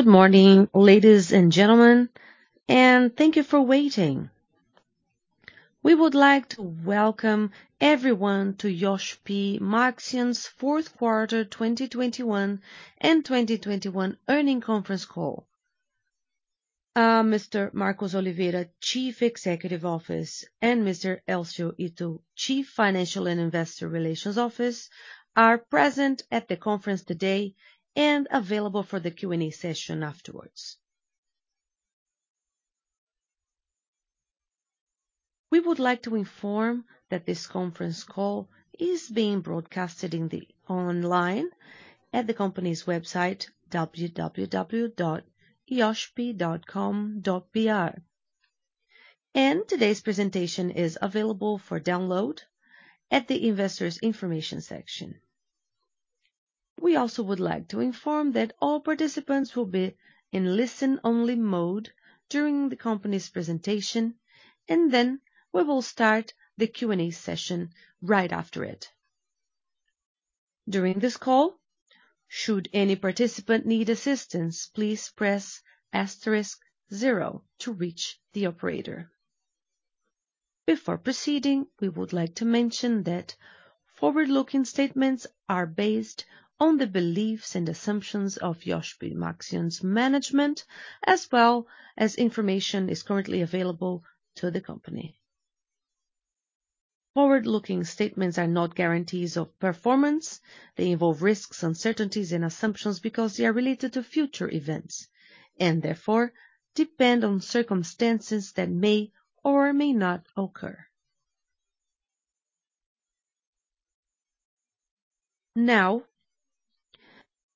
Good morning, ladies and gentlemen, and thank you for waiting. We would like to welcome everyone to Iochpe-Maxion’s fourth quarter 2021 and full-year 2021 earnings conference call. Mr. Marcos Oliveira, Chief Executive Officer, and Mr. Elcio Ito, Chief Financial and Investor Relations Officer are present at the conference today and available for the Q&A session afterwards. We would like to inform that this conference call is being broadcast live online at the company's website www.iochpe-maxion.com.br. Today's presentation is available for download at the investors information section. We also would like to inform that all participants will be in listen-only mode during the company's presentation, and then we will start the Q&A session right after it. During this call, should any participant need assistance, please press asterisk zero to reach the operator. Before proceeding, we would like to mention that forward-looking statements are based on the beliefs and assumptions of Iochpe-Maxion's management, as well as information currently available to the company. Forward-looking statements are not guarantees of performance. They involve risks, uncertainties, and assumptions because they are related to future events, and therefore depend on circumstances that may or may not occur. Now,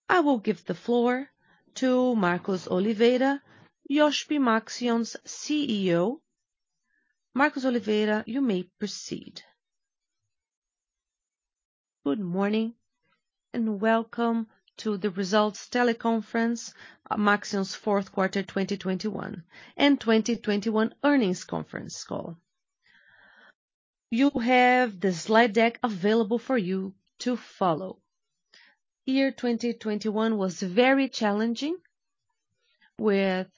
I will give the floor to Marcos Oliveira, Iochpe-Maxion's CEO. Marcos Oliveira, you may proceed. Good morning and welcome to the results teleconference for Maxion's fourth quarter 2021 and 2021 earnings conference call. You have the slide deck available for you to follow. Year 2021 was very challenging with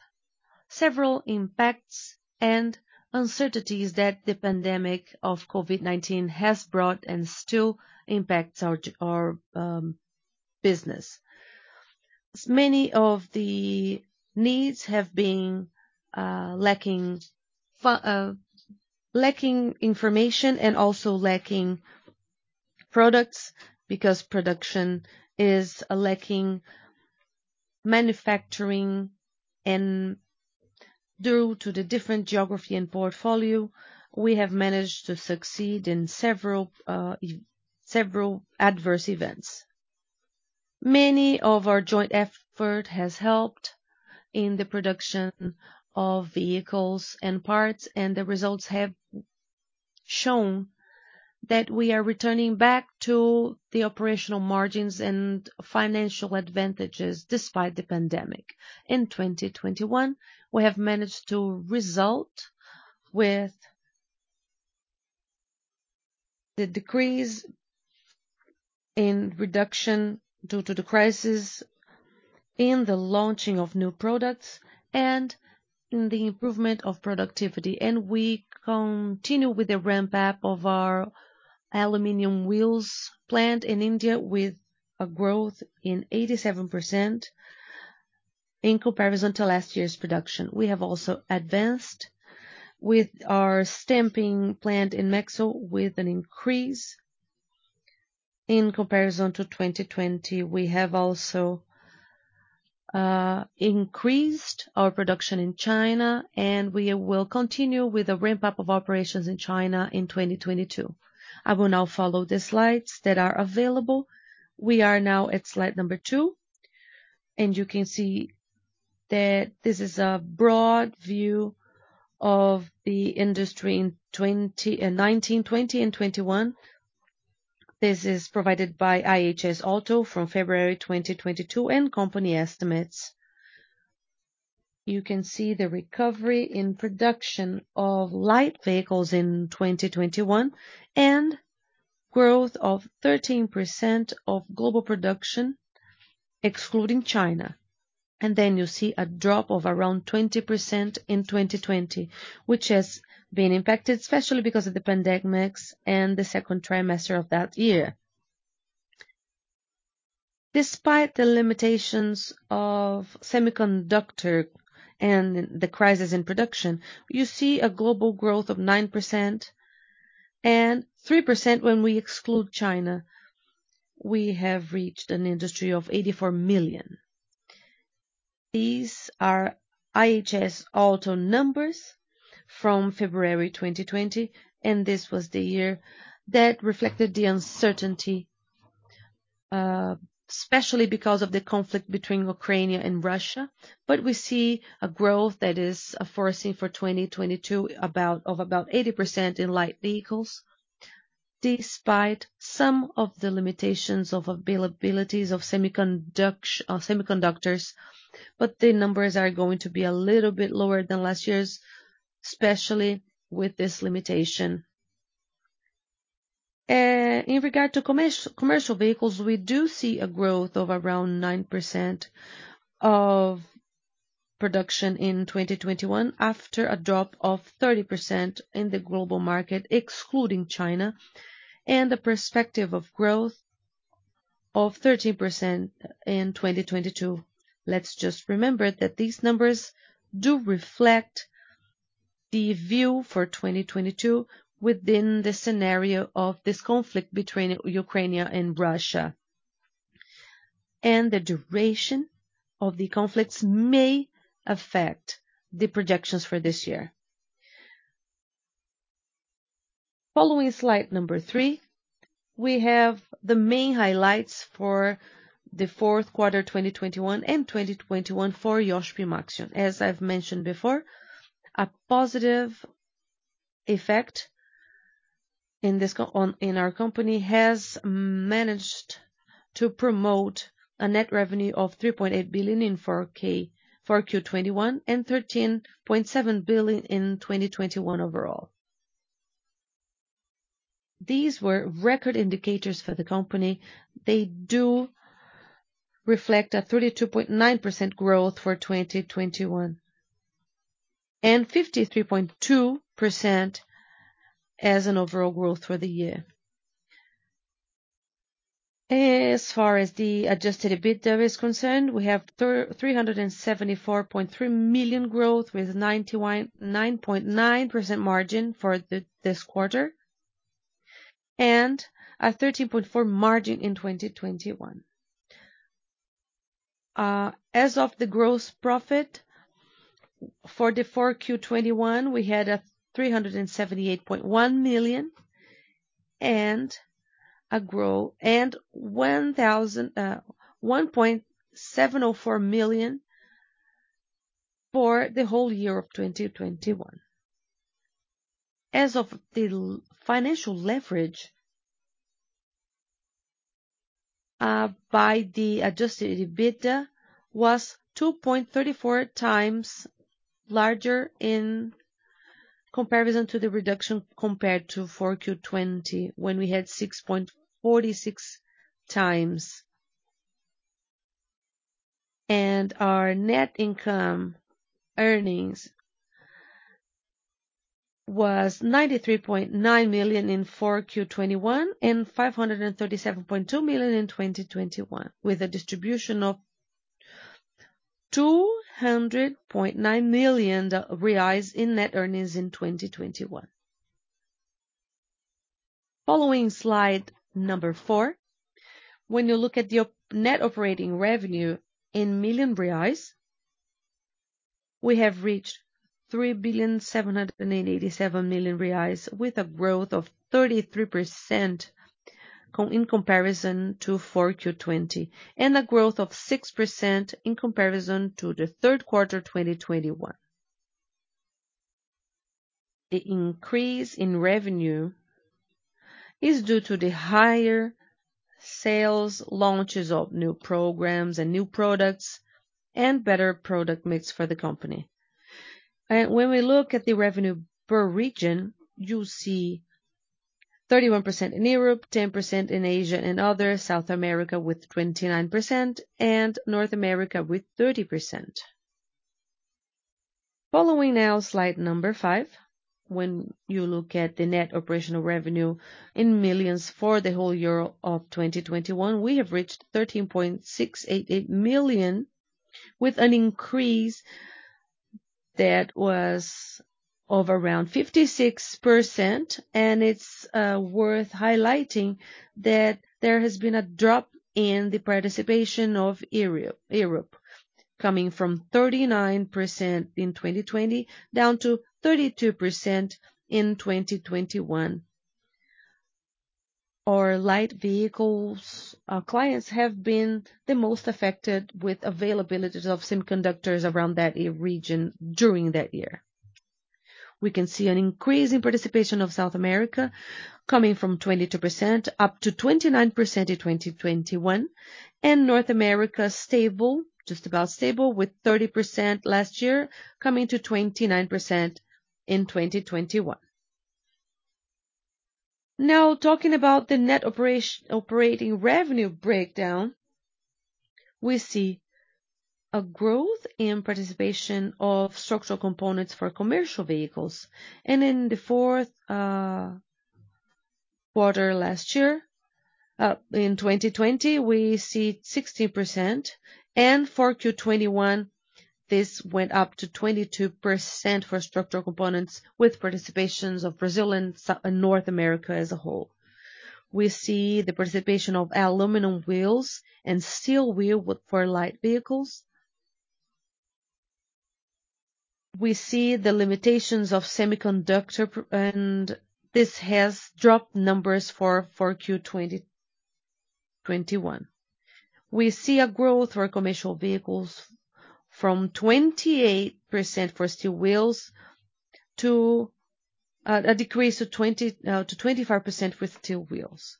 several impacts and uncertainties that the pandemic of COVID-19 has brought and still impacts our business. Many of the needs have been lacking information and also lacking products because production is lacking manufacturing and due to the different geography and portfolio, we have managed to succeed in several adverse events. Many of our joint effort has helped in the production of vehicles and parts, and the results have shown that we are returning back to the operational margins and financial advantages despite the pandemic. In 2021, we have managed to result with the decrease in reduction due to the crisis in the launching of new products and in the improvement of productivity. We continue with the ramp-up of our aluminum wheels plant in India with a growth in 87% in comparison to last year's production. We have also advanced with our stamping plant in Mexico with an increase in comparison to 2020. We have also increased our production in China, and we will continue with the ramp-up of operations in China in 2022. I will now follow the slides that are available. We are now at slide number two, and you can see that this is a broad view of the industry in 2019, 2020 and 2021. This is provided by IHS Markit from February 2022 and company estimates. You can see the recovery in production of light vehicles in 2021 and growth of 13% of global production excluding China. Then you see a drop of around 20% in 2020, which has been impacted especially because of the pandemic and the second quarter of that year. Despite the limitations of semiconductor and the crisis in production, you see a global growth of 9% and 3% when we exclude China. We have reached an industry of 84 million. These are IHS numbers from February 2020, and this was the year that reflected the uncertainty, especially because of the conflict between Ukraine and Russia. We see a growth that is foreseen for 2022 of about 80% in light vehicles, despite some of the limitations of availabilities of semiconductors. The numbers are going to be a little bit lower than last year's, especially with this limitation in regard to commercial vehicles. We do see a growth of around 9% of production in 2021 after a drop of 30% in the global market, excluding China, and a perspective of growth of 13% in 2022. Let's just remember that these numbers do reflect the view for 2022 within the scenario of this conflict between Ukraine and Russia. The duration of the conflicts may affect the projections for this year. Following slide number 3, we have the main highlights for the 4Q 2021 and 2021 for Iochpe-Maxion. As I've mentioned before, a positive effect in our company has managed to promote a net revenue of 3.8 billion in 4Q 2021 and 13.7 billion in 2021 overall. These were record indicators for the company. They do reflect a 32.9% growth for 2021 and 53.2% as an overall growth for the year. As far as the adjusted EBITDA is concerned, we have 374.3 million growth with 9.9% margin for this quarter and a 13.4% margin in 2021. As for the gross profit for 4Q 2021, we had BRL 378.1 million, a growth of 107%, 1,704 million for the whole year of 2021. As for the financial leverage by the adjusted EBITDA was 2.34 times, a reduction compared to 4Q 2020 when we had 6.46 times. Our net earnings was 93.9 million in 4Q 2021 and 537.2 million in 2021, with a distribution of 200.9 million reais in net earnings in 2021. Following slide number four. When you look at the net operating revenue in million reais, we have reached 3,787 million reais with a growth of 33% in comparison to 4Q 2020 and a growth of 6% in comparison to the third quarter, 2021. The increase in revenue is due to the higher sales, launches of new programs and new products and better product mix for the company. When we look at the revenue per region, you see 31% in Europe, 10% in Asia and other, South America with 29% and North America with 30%. Following now slide number five. When you look at the net operational revenue in millions for the whole year of 2021, we have reached 13,688 million, with an increase that was of around 56%. It's worth highlighting that there has been a drop in the participation of Europe coming from 39% in 2020 down to 32% in 2021. Our light vehicle clients have been the most affected with availability of semiconductors around that region during that year. We can see an increase in participation of South America coming from 22% up to 29% in 2021, and North America stable, just about stable with 30% last year coming to 29% in 2021. Now talking about the net operating revenue breakdown, we see a growth in participation of structural components for commercial vehicles. In the fourth quarter last year in 2020, we see 60%. 4Q 2021, this went up to 22% for structural components with participations of Brazil and South and North America as a whole. We see the participation of aluminum wheels and steel wheels for light vehicles. We see the limitations of semiconductors, and this has dropped numbers for 4Q 2021. We see a growth for commercial vehicles from 28% for steel wheels to a decrease of 20%–25% with steel wheels.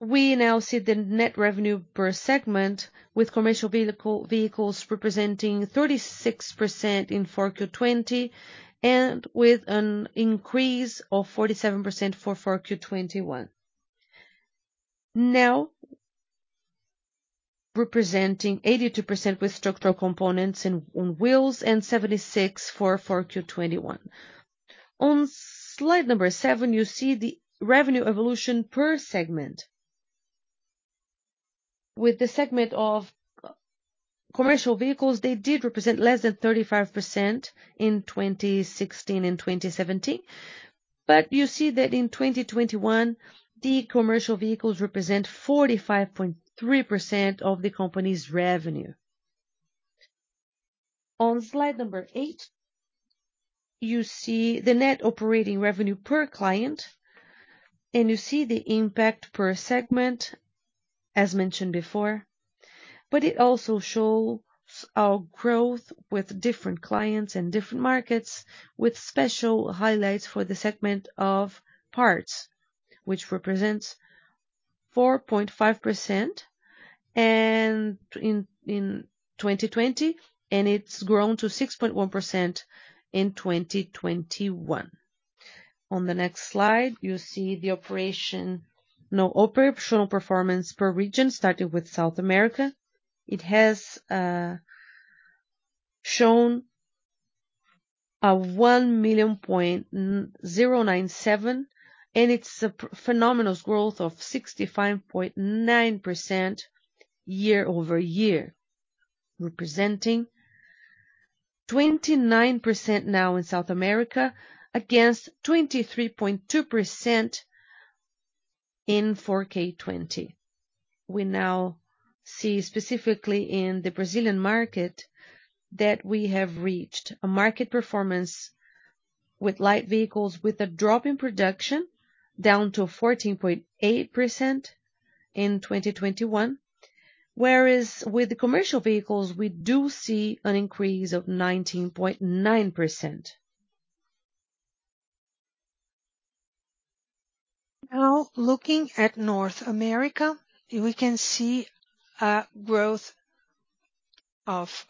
We now see the net revenue per segment with commercial vehicles representing 36% in 4Q 2020, and with an increase of 47% for 4Q 2021. Now representing 82% with structural components on wheels and 76% for 4Q 2021. On slide 7, you see the revenue evolution per segment. With the segment of commercial vehicles, they did represent less than 35% in 2016 and 2017. You see that in 2021, the commercial vehicles represent 45.3% of the company's revenue. On slide number eight, you see the net operating revenue per client, and you see the impact per segment as mentioned before, but it also shows our growth with different clients and different markets with special highlights for the segment of parts which represents 4.5% in 2020, and it's grown to 6.1% in 2021. On the next slide, you see the operational performance per region, starting with South America. It has shown 1.097 million, and it's a phenomenal growth of 65.9% year over year, representing 29% now in South America against 23.2% in 4Q 2020. We now see specifically in the Brazilian market that we have reached a market performance with light vehicles, with a drop in production down to 14.8% in 2021. Whereas with commercial vehicles, we do see an increase of 19.9%. Now looking at North America, we can see a growth of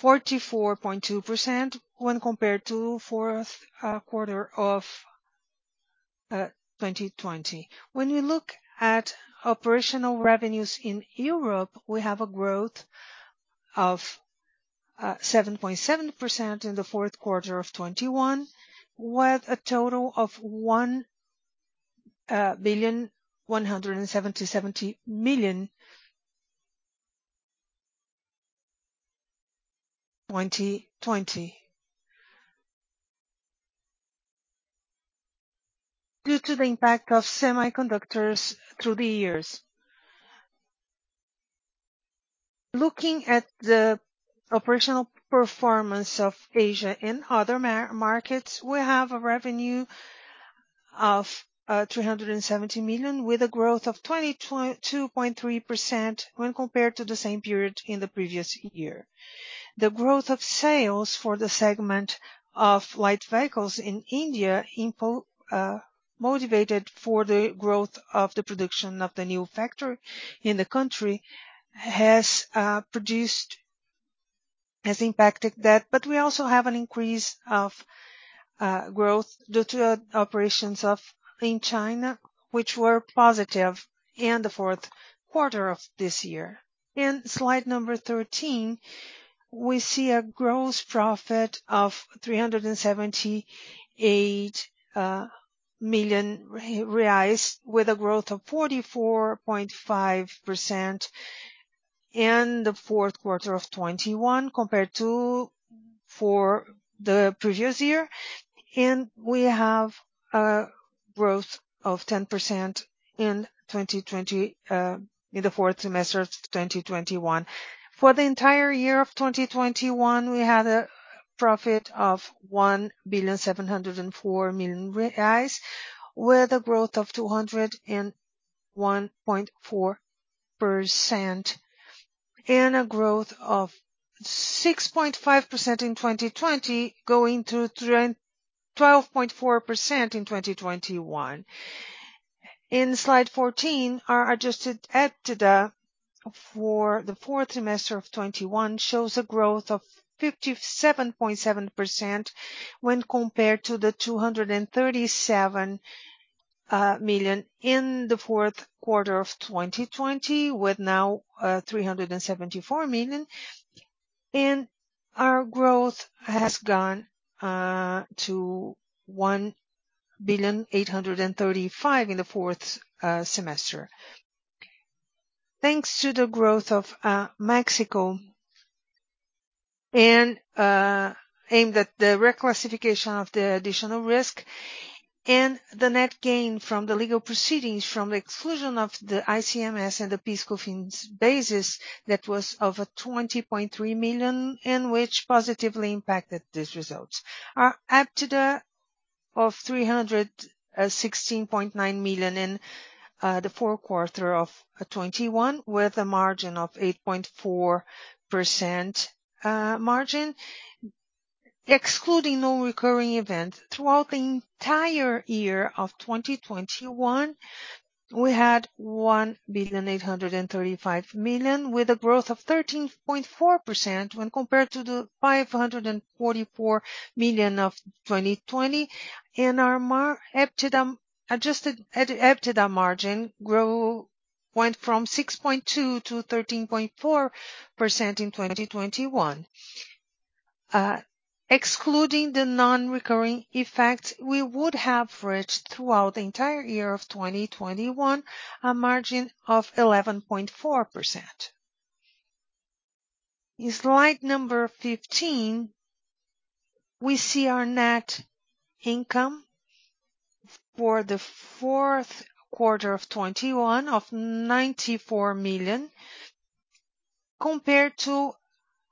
44.2% when compared to fourth quarter of 2020. When we look at operational revenues in Europe, we have a growth of 7.7% in the fourth quarter of 2021, with a total of BRL 1.177 billion in 2020. Due to the impact of semiconductors through the years. Looking at the operational performance of Asia and other markets, we have a revenue of 270 million, with a growth of 22.3% when compared to the same period in the previous year. The growth of sales for the segment of light vehicles in India motivated for the growth of the production of the new factory in the country has impacted that. We also have an increase of growth due to operations in China, which were positive in the fourth quarter of this year. In slide number 13, we see a gross profit of 378 million reais, with a growth of 44.5% in the fourth quarter of 2021 compared to the previous year. We have a growth of 10% in 2020 in the fourth quarter of 2021. For the entire year of 2021, we had a profit of 1.704 billion, with a growth of 201.4% and a growth of 6.5% in 2020 going to 12.4% in 2021. In slide 14, our adjusted EBITDA for the fourth quarter of 2021 shows a growth of 57.7% when compared to the 237 million in the fourth quarter of 2020, with now 374 million. Our growth has gone to 1.835 billion in the fourth quarter. Thanks to the growth of Mexico and aimed at the reclassification of the additional risk and the net gain from the legal proceedings from the exclusion of the ICMS and PIS/COFINS basis that was 20.3 million and which positively impacted these results. Our EBITDA of 316.9 million in the fourth quarter of 2021, with a margin of 8.4%, excluding non-recurring events throughout the entire year of 2021, we had 1,835 million, with a growth of 13.4% when compared to the 544 million of 2020. Our adjusted EBITDA margin grew from 6.2% to 13.4% in 2021. Excluding the non-recurring effects, we would have reached throughout the entire year of 2021 a margin of 11.4%. In slide number 15, we see our net income for the fourth quarter of 2021 of 94 million, compared to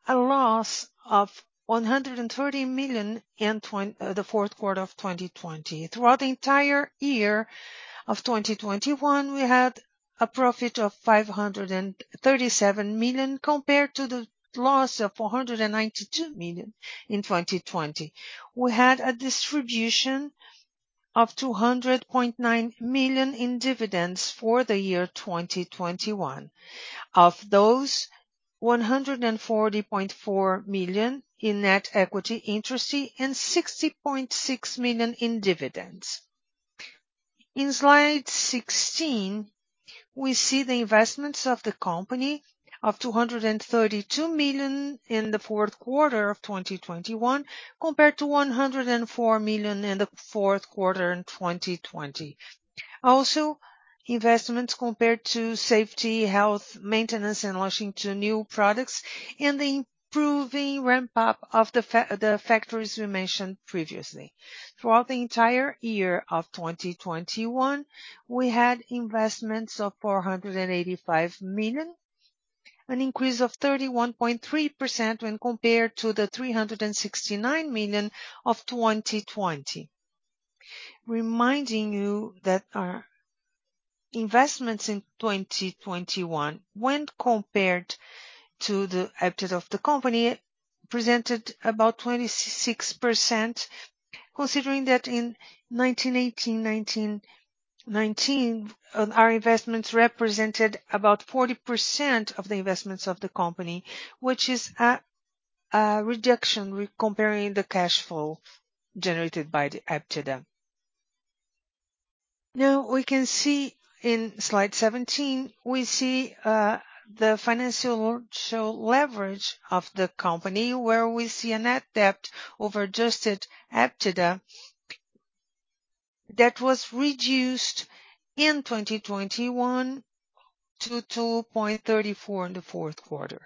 a loss of 130 million in the fourth quarter of 2020. Throughout the entire year of 2021, we had a profit of 537 million compared to the loss of 492 million in 2020. We had a distribution of 200.9 million in dividends for the year 2021. Of those, 140.4 million in interest on net equity and 60.6 million in dividends. In slide 16, we see the investments of the company of 232 million in the fourth quarter of 2021 compared to 104 million in the fourth quarter of 2020. Investments committed to safety, health, maintenance, and launching of new products and improving ramp-up of the factories we mentioned previously. Throughout the entire year of 2021, we had investments of 485 million, an increase of 31.3% when compared to the 369 million of 2020. Reminding you that our investments in 2021, when compared to the EBITDA of the company, presented about 26%, considering that in 2018, 2019, our investments represented about 40% of the EBITDA of the company, which is a reduction relative to the cash flow generated by the EBITDA. Now we can see in slide 17, we see the financial leverage of the company, where we see a net debt over adjusted EBITDA that was reduced in 2021 to 2.34 in the fourth quarter.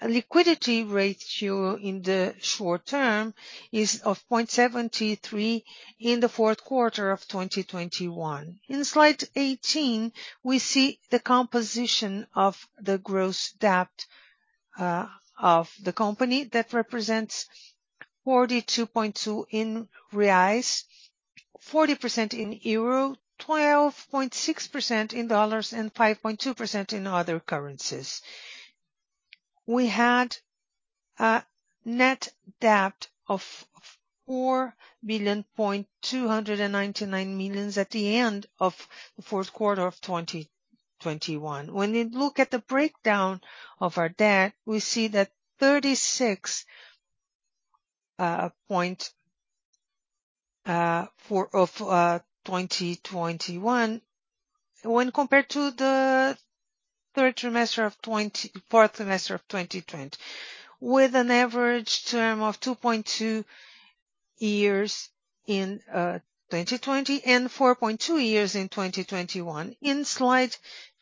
The liquidity ratio in the short term is 0.73 in the fourth quarter of 2021. In slide 18, we see the composition of the gross debt of the company. That represents 42.2% in BRL, 40% in EUR, 12.6% in USD, and 5.2% in other currencies. We had a net debt of 4.299 billion at the end of the fourth quarter of 2021. When you look at the breakdown of our debt, we see that 36.4% of 2021 when compared to the fourth quarter of 2020, with an average term of 2.2 years in 2020 and 4.2 years in 2021. In slide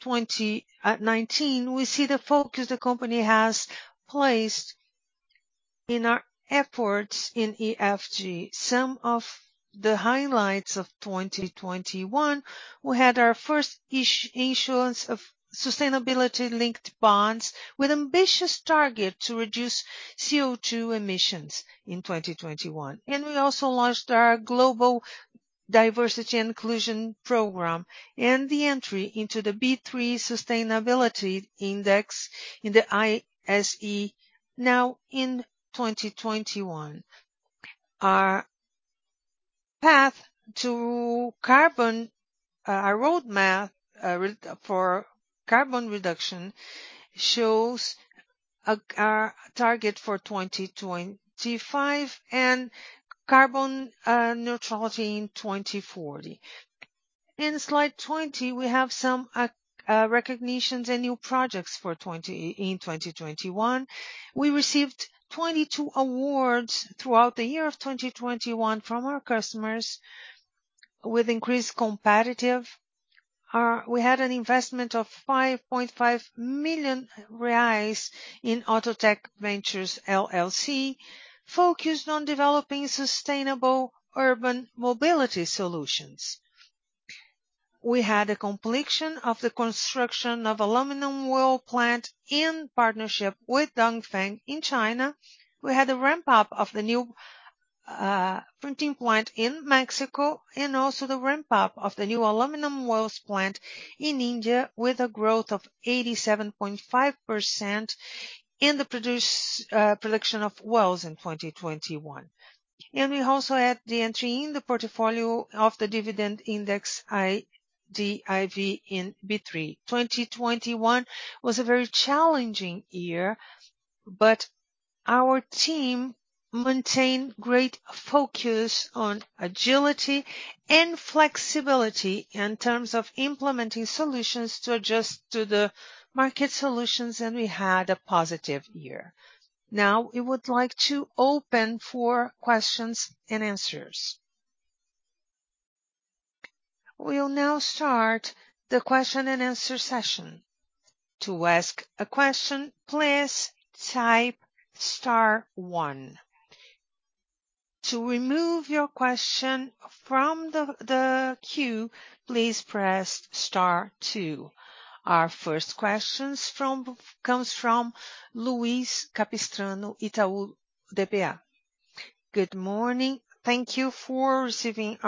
19, we see the focus the company has placed in our efforts in ESG. Some of the highlights of 2021, we had our first issuance of sustainability-linked bonds with ambitious target to reduce CO2 emissions in 2021. We also launched our global diversity and inclusion program and the entry into the B3 Sustainability Index in the ISE now in 2021. Our roadmap for carbon reduction shows our target for 2025 and carbon neutrality in 2040. In slide 20, we have some recognitions and new projects in 2021. We received 22 awards throughout the year of 2021 from our customers with increased competitiveness. We had an investment of 5.5 million reais in Autotech Ventures LLC, focused on developing sustainable urban mobility solutions. We had a completion of the construction of aluminum wheel plant in partnership with Dongfeng in China. We had a ramp-up of the new stamping plant in Mexico and also the ramp up of the new aluminum wheels plant in India with a growth of 87.5% in the production of wheels in 2021. We also had the entry in the portfolio of the dividend index IDIV in B3. 2021 was a very challenging year, but our team maintained great focus on agility and flexibility in terms of implementing solutions to adjust to the market conditions, and we had a positive year. Now we would like to open for questions and answers. We'll now start the question and answer session. To ask a question, please type star one. To remove your question from the queue, please press star two. Our first question comes from Luiz Capistrano, Itaú BBA. Good morning. Thank you for the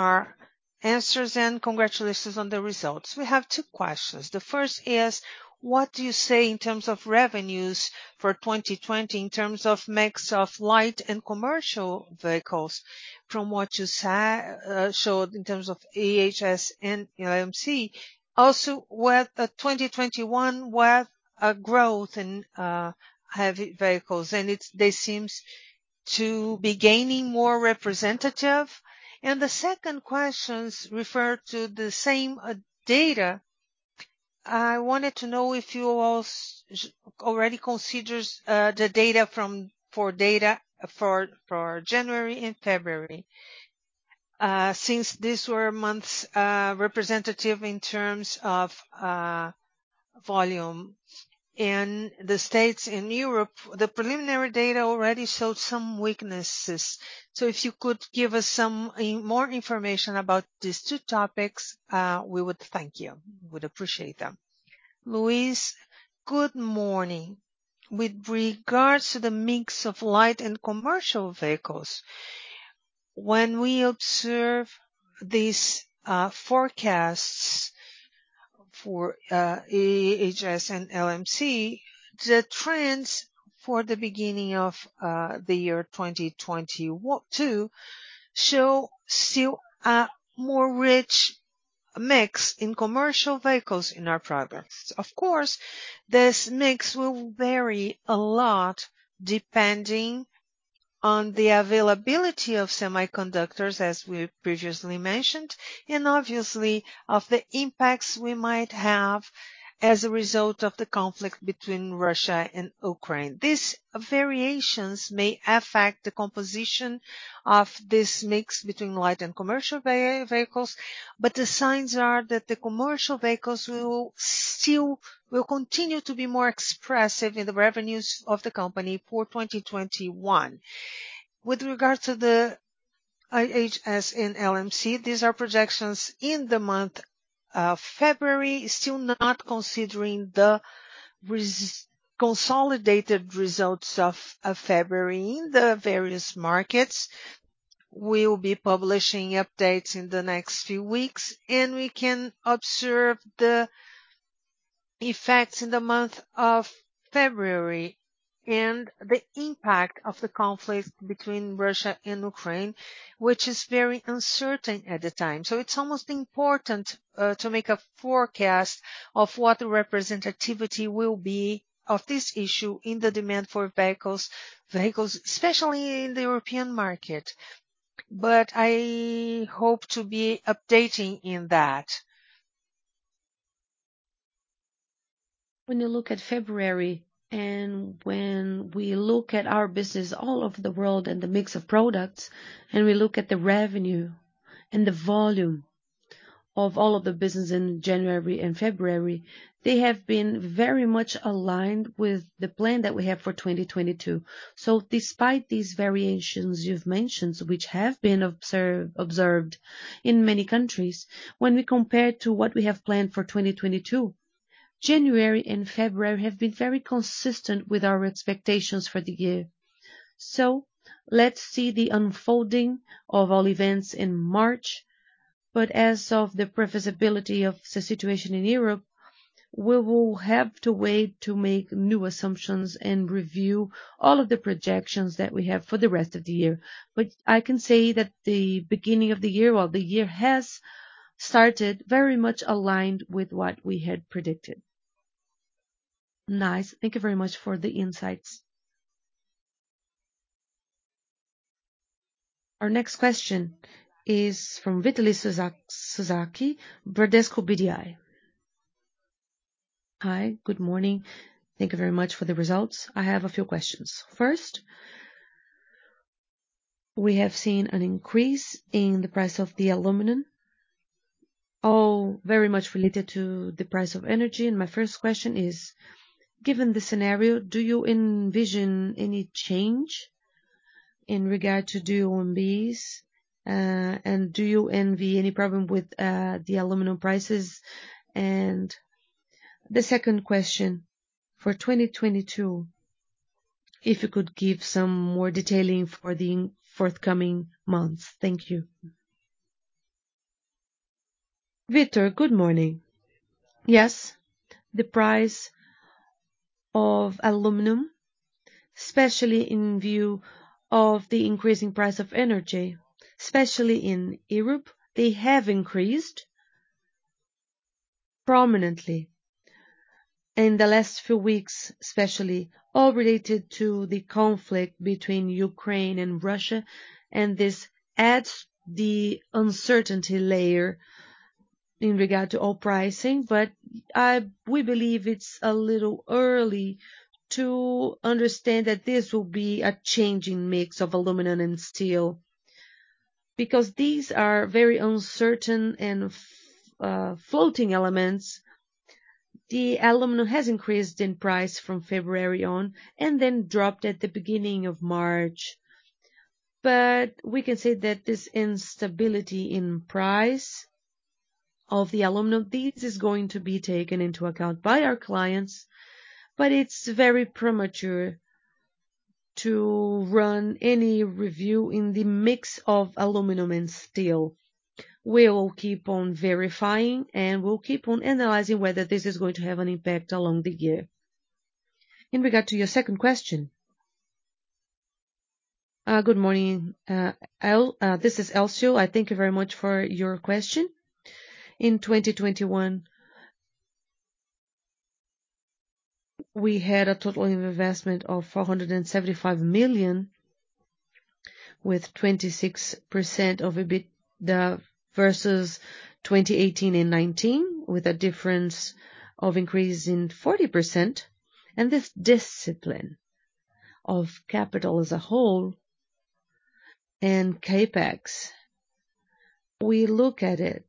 answers, and congratulations on the results. We have two questions. The first is: what do you see in terms of revenues for 2020, in terms of mix of light and commercial vehicles from what you showed in terms of IHS and LMC? What 2021 growth in heavy vehicles, and they seems to be gaining more representative. The second questions refers to the same data. I wanted to know if you already considers the data for January and February, since these were months representative in terms of volume. In the U.S. and Europe, the preliminary data already showed some weaknesses. If you could give us some more information about these two topics, we would thank you. We'd appreciate them. Luiz, good morning. With regards to the mix of light and commercial vehicles, when we observe these forecasts for IHS and LMC, the trends for the beginning of the year 2022 show still a more rich mix in commercial vehicles in our products. Of course, this mix will vary a lot depending on the availability of semiconductors, as we previously mentioned, and obviously of the impacts we might have as a result of the conflict between Russia and Ukraine. These variations may affect the composition of this mix between light and commercial vehicles, but the signs are that the commercial vehicles will continue to be more expressive in the revenues of the company for 2021. With regards to the IHS and LMC, these are projections in the month of February, still not considering the consolidated results of February in the various markets. We'll be publishing updates in the next few weeks, and we can observe the effects in the month of February and the impact of the conflict between Russia and Ukraine, which is very uncertain at the time. It's almost important to make a forecast of what the representativity will be of this issue in the demand for vehicles, especially in the European market. I hope to be updating in that. When you look at February and when we look at our business all over the world and the mix of products, and we look at the revenue and the volume of all of the business in January and February, they have been very much aligned with the plan that we have for 2022. Despite these variations you've mentioned, which have been observed in many countries, when we compare to what we have planned for 2022, January and February have been very consistent with our expectations for the year. Let's see the unfolding of all events in March. As of the predictability of the situation in Europe, we will have to wait to make new assumptions and review all of the projections that we have for the rest of the year. I can say that the beginning of the year or the year has started very much aligned with what we had predicted. Nice. Thank you very much for the insights. Our next question is from Victor Mizusaki, Bradesco BBI. Hi, good morning. Thank you very much for the results. I have a few questions. First, we have seen an increase in the price of the aluminum, all very much related to the price of energy. My first question is: given the scenario, do you envision any change in regard to OEMs, and do you see any problem with the aluminum prices and- The second question for 2022, if you could give some more detail for the forthcoming months. Thank you. Victor, good morning. Yes. The price of aluminum, especially in view of the increasing price of energy, especially in Europe, they have increased prominently in the last few weeks, especially all related to the conflict between Ukraine and Russia. This adds the uncertainty layer in regard to all pricing. We believe it's a little early to understand that this will be a changing mix of aluminum and steel because these are very uncertain and floating elements. The aluminum has increased in price from February on and then dropped at the beginning of March. We can say that this instability in price of the aluminum needs is going to be taken into account by our clients. It's very premature to run any review in the mix of aluminum and steel. We will keep on verifying and we'll keep on analyzing whether this is going to have an impact along the year. In regard to your second question. Good morning, this is Elcio. I thank you very much for your question. In 2021 we had a total investment of 475 million with 26% of EBITDA versus 2018 and 2019, with a difference of increase in 40%. This discipline of capital as a whole and CapEx, we look at it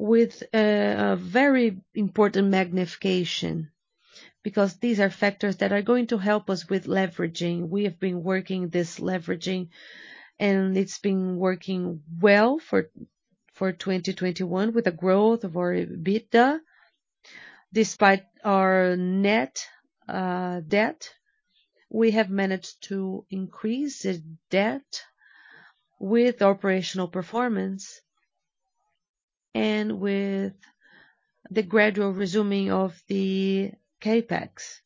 with a very important magnification because these are factors that are going to help us with leveraging. We have been working this leveraging and it's been working well for 2021 with a growth of our EBITDA despite our net debt. We have managed to increase the debt with operational performance and with the gradual resuming of the CapEx.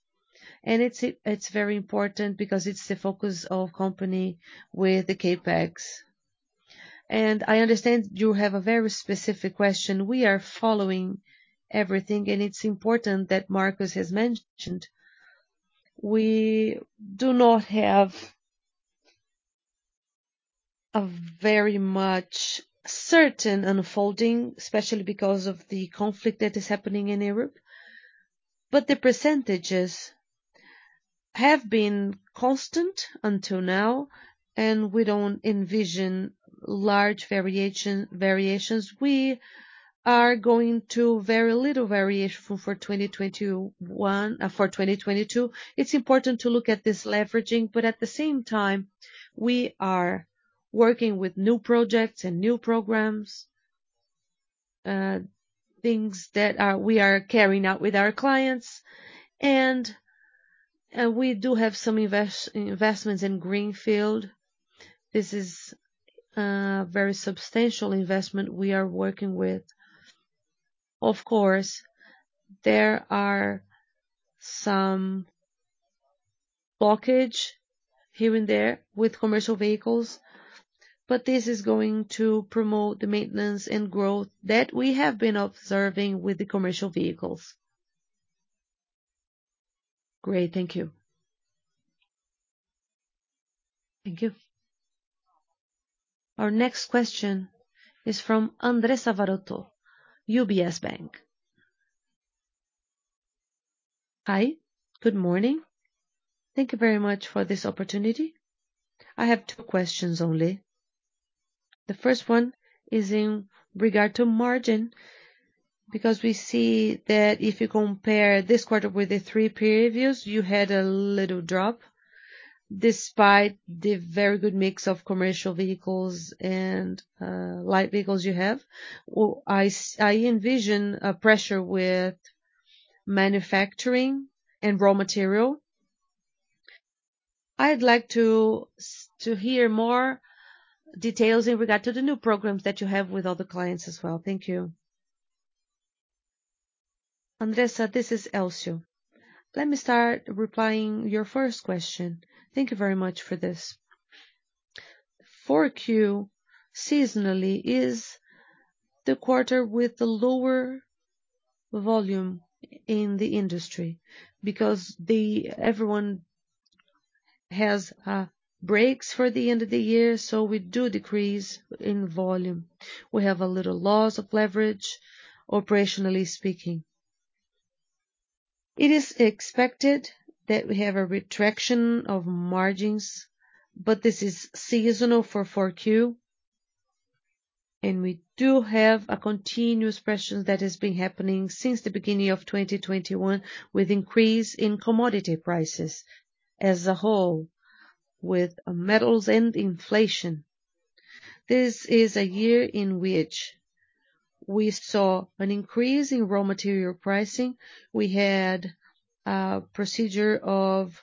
It's very important because it's the focus of company with the CapEx. I understand you have a very specific question. We are following everything and it's important that Marcos has mentioned we do not have a very much certain unfolding, especially because of the conflict that is happening in Europe. The percentages have been constant until now and we don't envision large variations. We are going to very little variation for 2021, for 2022. It's important to look at this leveraging, but at the same time we are working with new projects and new programs, things that we are carrying out with our clients and we do have some investments in greenfield. This is a very substantial investment we are working with. Of course, there are some blockage here and there with commercial vehicles, but this is going to promote the maintenance and growth that we have been observing with the commercial vehicles. Great. Thank you. Thank you. Our next question is from Andressa Varotto, UBS BB. Hi, good morning. Thank you very much for this opportunity. I have two questions only. The first one is in regard to margin because we see that if you compare this quarter with the three periods, you had a little drop despite the very good mix of commercial vehicles and light vehicles you have. I envision a pressure with manufacturing and raw material. I'd like to hear more details in regard to the new programs that you have with other clients as well. Thank you. Andressa, this is Elcio. Let me start replying to your first question. Thank you very much for this. Q4 seasonally is the quarter with the lower volume in the industry because everyone has breaks for the end of the year. We do decrease in volume. We have a little loss of leverage operationally speaking. It is expected that we have a retraction of margins. This is seasonal for Q4 and we do have a continuous pressure that has been happening since the beginning of 2021 with increase in commodity prices as a whole with metals and inflation. This is a year in which we saw an increase in raw material pricing. We had a procedure of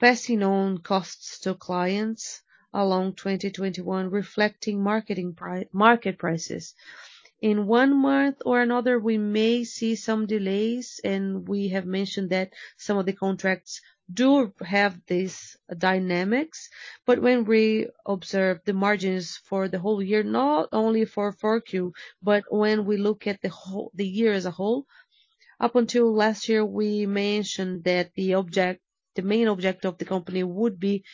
passing on costs to clients along 2021 reflecting market prices. In one month or another, we may see some delays, and we have mentioned that some of the contracts do have these dynamics. When we observe the margins for the whole year, not only for 4Q, but when we look at the year as a whole, up until last year, we mentioned that the main object of the company would be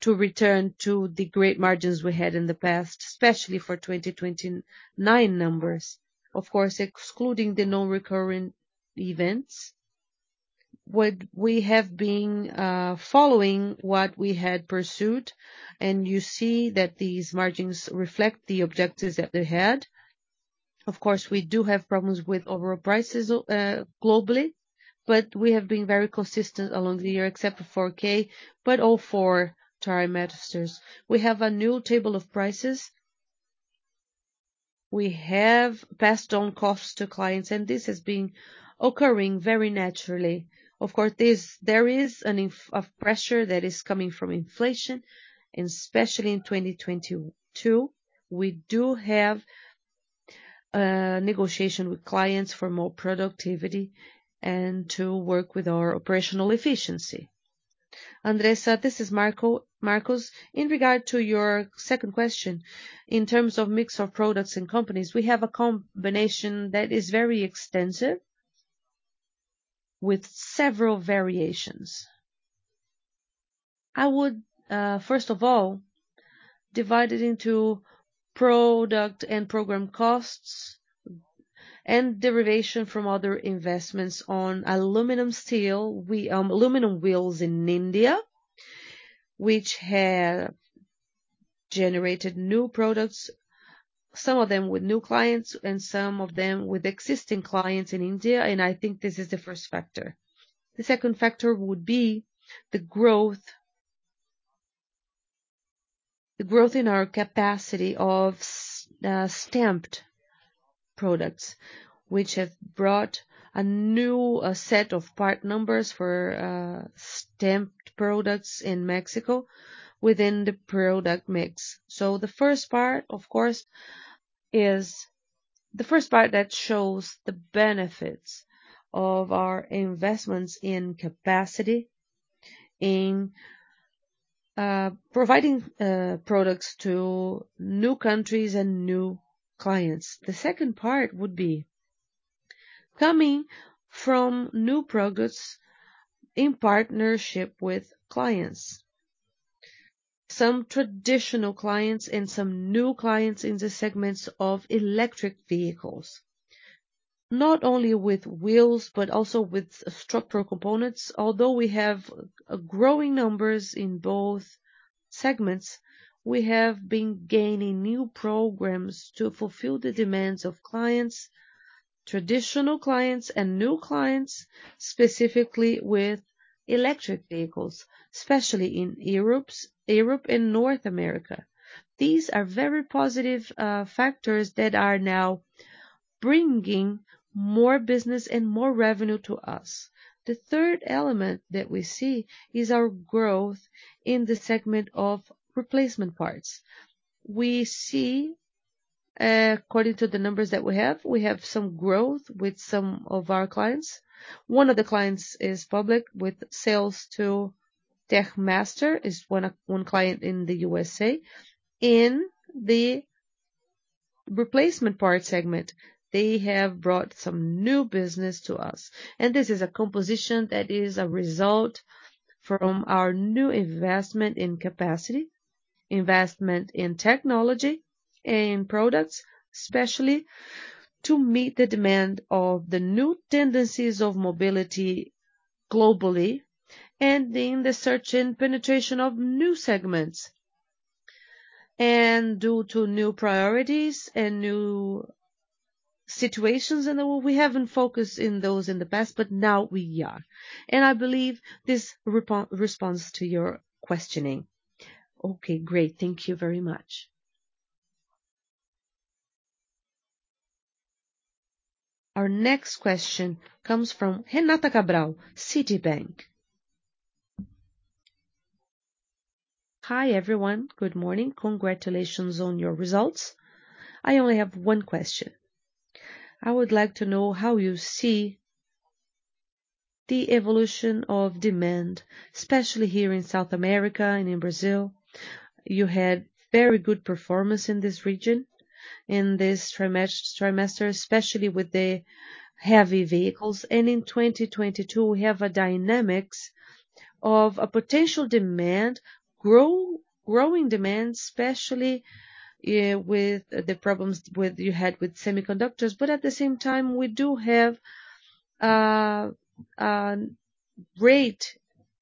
to return to the great margins we had in the past, especially for 2019 numbers. Of course, excluding the non-recurring events. What we have been following what we had pursued, and you see that these margins reflect the objectives that they had. Of course, we do have problems with overall prices globally, but we have been very consistent along the year, except for Q4, but all four trimesters. We have a new table of prices. We have passed on costs to clients, and this has been occurring very naturally. Of course, there is a pressure that is coming from inflation, and especially in 2022, we do have negotiation with clients for more productivity and to work with our operational efficiency. Andressa, this is Marcos. In regard to your second question, in terms of mix of products and companies, we have a combination that is very extensive with several variations. I would first of all divide it into product and program costs and derivation from other investments on aluminum steel. We have aluminum wheels in India, which have generated new products, some of them with new clients and some of them with existing clients in India, and I think this is the first factor. The second factor would be the growth in our capacity of stamped products, which have brought a new set of part numbers for stamped products in Mexico within the product mix. The first part, of course, is the first part that shows the benefits of our investments in capacity, in providing products to new countries and new clients. The second part would be coming from new products in partnership with clients. Some traditional clients and some new clients in the segments of electric vehicles. Not only with wheels, but also with structural components. Although we have growing numbers in both segments, we have been gaining new programs to fulfill the demands of clients, traditional clients and new clients, specifically with electric vehicles, especially in Europe and North America. These are very positive factors that are now bringing more business and more revenue to us. The third element that we see is our growth in the segment of replacement parts. We see, according to the numbers that we have, we have some growth with some of our clients. One of the clients is public with sales to Techmaster is one client in the USA. In the replacement part segment, they have brought some new business to us. This is a composition that is a result from our new investment in capacity, investment in technology and products, especially to meet the demand of the new tendencies of mobility globally and in the search and penetration of new segments. Due to new priorities and new situations and all, we haven't focused in those in the past, but now we are. I believe this responds to your questioning. Okay, great. Thank you very much. Our next question comes from Renata Cabral, Citi. Hi, everyone. Good morning. Congratulations on your results. I only have one question. I would like to know how you see the evolution of demand, especially here in South America and in Brazil. You had very good performance in this region, in this trimester, especially with the heavy vehicles. In 2022, we have a dynamic of a potential demand growing demand, especially with the problems you had with semiconductors. But at the same time, we do have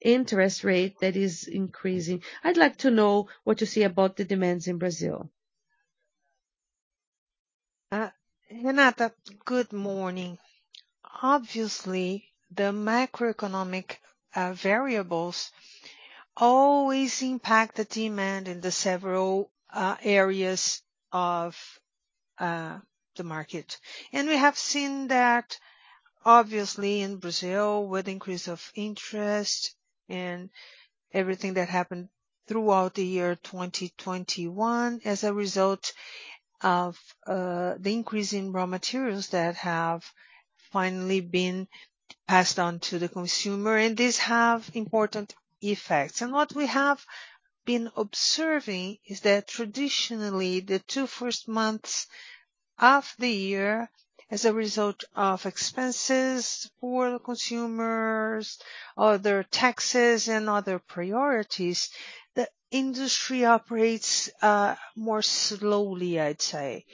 interest rate that is increasing. I'd like to know what you see about the demands in Brazil. Renata, good morning. Obviously, the macroeconomic variables always impact the demand in the several areas of the market. We have seen that obviously in Brazil with increase of interest and everything that happened throughout the year 2021 as a result of the increase in raw materials that have finally been passed on to the consumer, and these have important effects. What we have been observing is that traditionally, the two first months of the year as a result of expenses for the consumers, other taxes and other priorities, the industry operates more slowly, I'd say.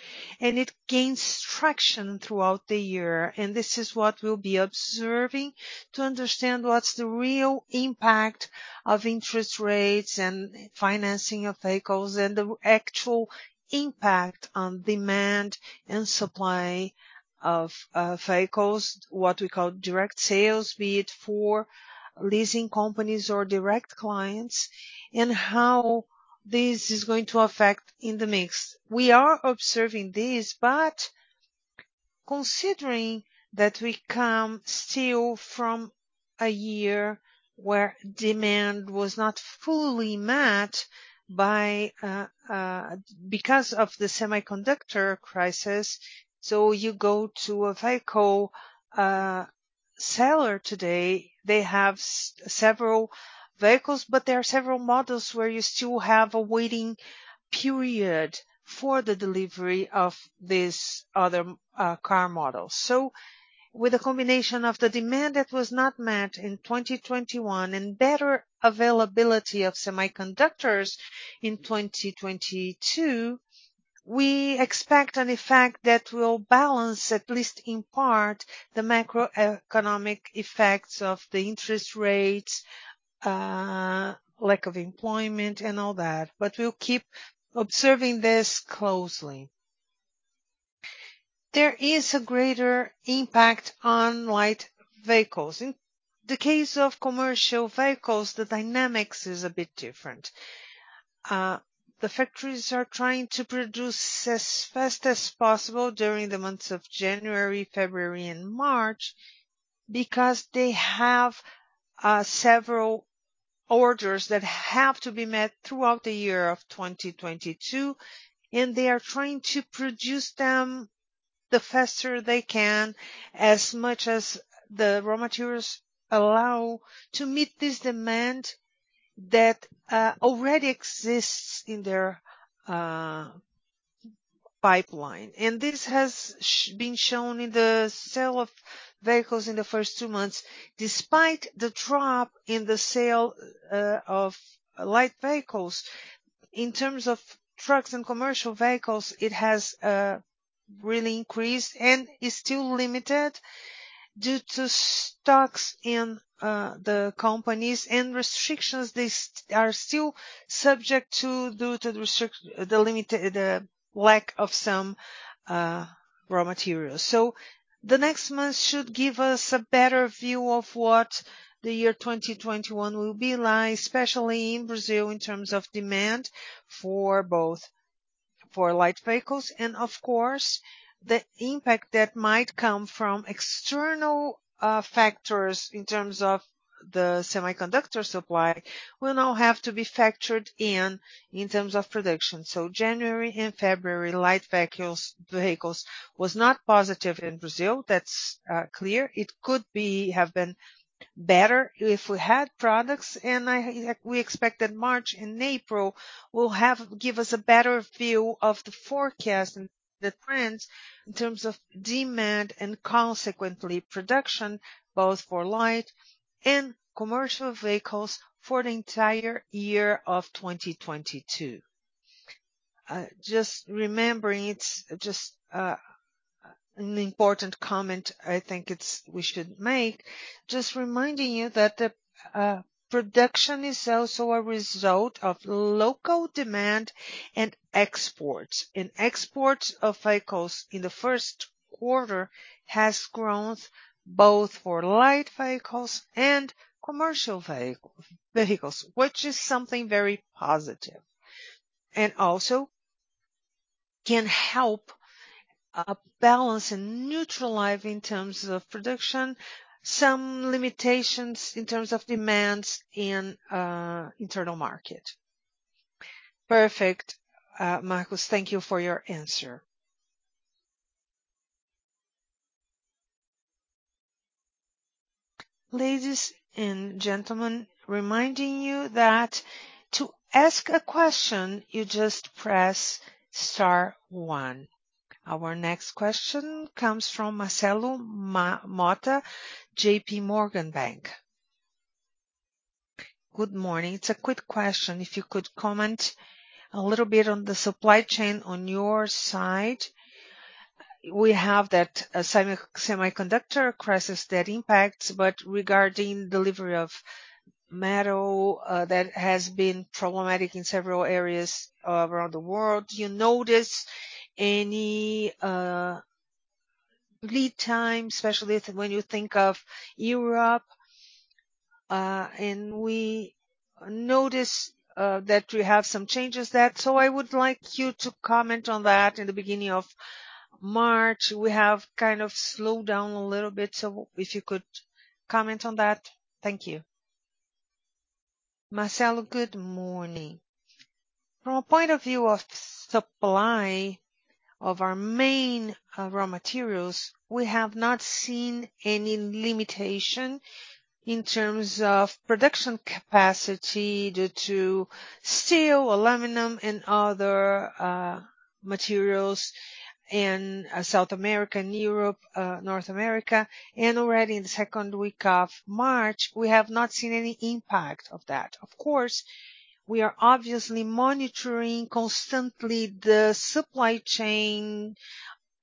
It gains traction throughout the year, and this is what we'll be observing to understand what's the real impact of interest rates and financing of vehicles and the actual impact on demand and supply of vehicles, what we call direct sales, be it for leasing companies or direct clients, and how this is going to affect in the mix. We are observing this, but considering that we come still from a year where demand was not fully met by because of the semiconductor crisis. You go to a vehicle seller today, they have several vehicles, but there are several models where you still have a waiting period for the delivery of this other car model. With a combination of the demand that was not met in 2021 and better availability of semiconductors in 2022, we expect an effect that will balance, at least in part, the macroeconomic effects of the interest rates, lack of employment and all that. We'll keep observing this closely. There is a greater impact on light vehicles. In the case of commercial vehicles, the dynamics is a bit different. The factories are trying to produce as fast as possible during the months of January, February and March because they have several orders that have to be met throughout the year of 2022, and they are trying to produce them the faster they can, as much as the raw materials allow to meet this demand that already exists in their pipeline. This has been shown in the sale of vehicles in the first two months. Despite the drop in the sale of light vehicles, in terms of trucks and commercial vehicles, it has really increased and is still limited due to stocks in the companies and restrictions they are still subject to due to the lack of some raw materials. The next month should give us a better view of what the year 2021 will be like, especially in Brazil, in terms of demand for both, for light vehicles and of course, the impact that might come from external factors in terms of the semiconductor supply will now have to be factored in in terms of production. January and February, light vehicles was not positive in Brazil. That's clear. It could have been better if we had products. We expect that March and April will give us a better view of the forecast and the trends in terms of demand and consequently production, both for light and commercial vehicles for the entire year of 2022. An important comment we should make. Reminding you that the production is also a result of local demand and exports. Exports of vehicles in the first quarter has grown both for light vehicles and commercial vehicles, which is something very positive, and also can help balance and neutralize in terms of production, some limitations in terms of demands in internal market. Perfect. Marcos, thank you for your answer. Our next question comes from Marcelo Motta, JPMorgan. Good morning. It's a quick question. If you could comment a little bit on the supply chain on your side. We have that semiconductor crisis that impacts, but regarding delivery of material, that has been problematic in several areas around the world. Do you notice any lead time, especially when you think of Europe? And we notice that you have some changes there. I would like you to comment on that. In the beginning of March, we have kind of slowed down a little bit, so if you could comment on that. Thank you. Marcelo, good morning. From a point of view of supply of our main raw materials, we have not seen any limitation in terms of production capacity due to steel, aluminum and other materials in South America and Europe, North America. Already in the second week of March, we have not seen any impact of that. Of course, we are obviously monitoring constantly the supply chain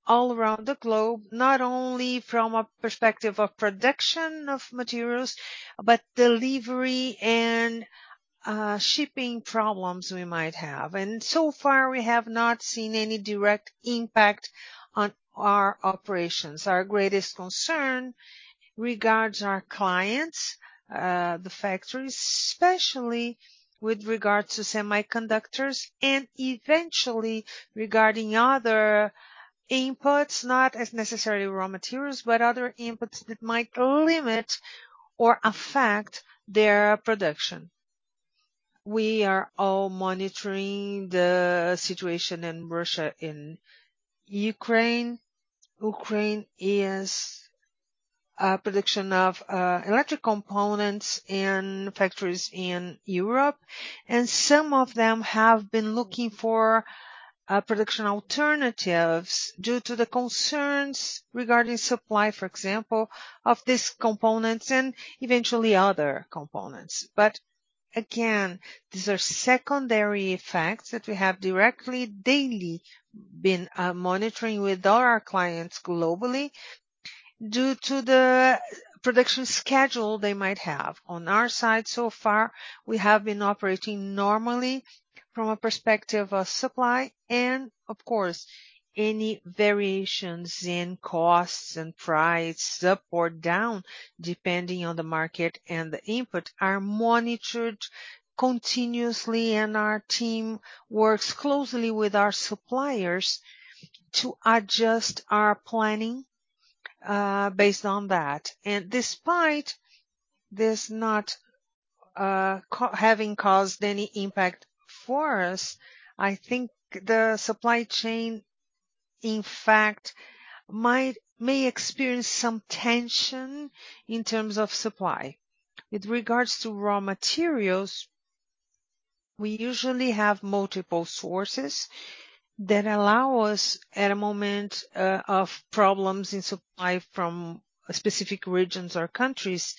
all around the globe, not only from a perspective of production of materials, but delivery and shipping problems we might have. So far, we have not seen any direct impact on our operations. Our greatest concern regards our clients, the factories, especially with regard to semiconductors and eventually regarding other inputs, not as necessarily raw materials, but other inputs that might limit or affect their production. We are all monitoring the situation in Russia, in Ukraine. Ukraine is a producer of electric components and factories in Europe. Some of them have been looking for production alternatives due to the concerns regarding supply, for example, of these components and eventually other components. Again, these are secondary effects that we have directly daily been monitoring with all our clients globally due to the production schedule they might have. On our side, so far, we have been operating normally from a perspective of supply. Of course, any variations in costs and price up or down, depending on the market and the input, are monitored continuously, and our team works closely with our suppliers to adjust our planning based on that. Despite this not having caused any impact for us, I think the supply chain, in fact, may experience some tension in terms of supply. With regards to raw materials, we usually have multiple sources that allow us at a moment of problems in supply from specific regions or countries.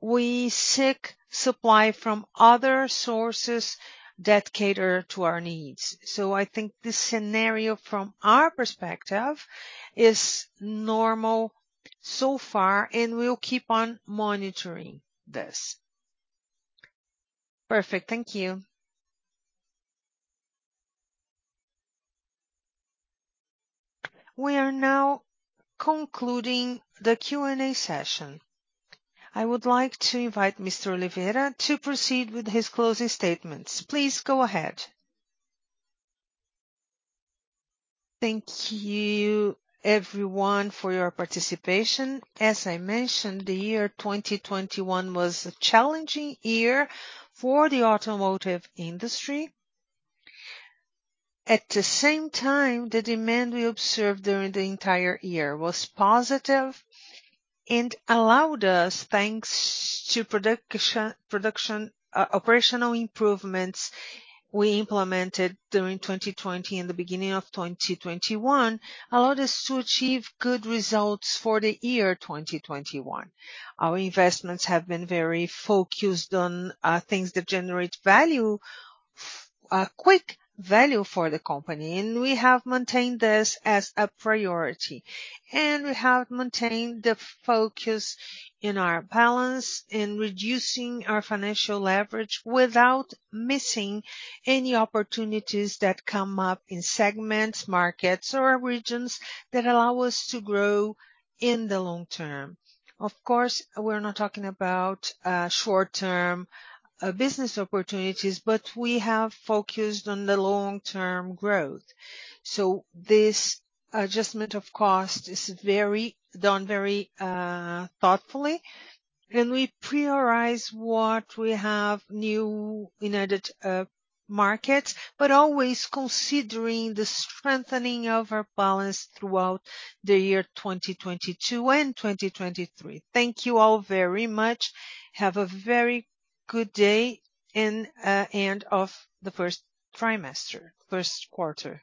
We seek supply from other sources that cater to our needs. I think the scenario from our perspective is normal so far, and we'll keep on monitoring this. Perfect. Thank you. We are now concluding the Q&A session. I would like to invite Mr. Oliveira to proceed with his closing statements. Please go ahead. Thank you everyone for your participation. As I mentioned, the year 2021 was a challenging year for the automotive industry. At the same time, the demand we observed during the entire year was positive and allowed us, thanks to production operational improvements we implemented during 2020 and the beginning of 2021, allowed us to achieve good results for the year 2021. Our investments have been very focused on things that generate quick value for the company, and we have maintained this as a priority. We have maintained the focus in our balance in reducing our financial leverage without missing any opportunities that come up in segments, markets or regions that allow us to grow in the long term. Of course, we're not talking about short-term business opportunities, but we have focused on the long-term growth. This adjustment of cost is done very thoughtfully. We prioritize what we have new in added markets, but always considering the strengthening of our balance throughout the year 2022 and 2023. Thank you all very much. Have a very good day and end of the first trimester, first quarter.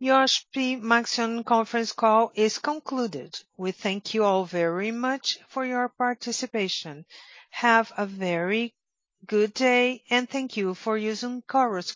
The Iochpe-Maxion conference call is concluded. We thank you all very much for your participation. Have a very good day, and thank you for using Chorus.